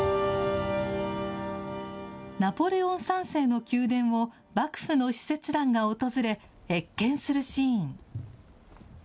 ナポレオン３世の宮殿を、幕府の使節団が訪れ、謁見するシーン。